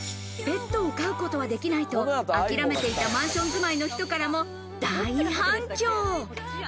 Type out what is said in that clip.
ペットを飼うことはできないと諦めていたマンション住まい方からも大反響。